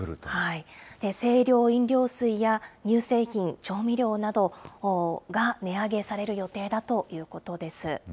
清涼飲料水や乳製品、調味料などが値上げされる予定だということです。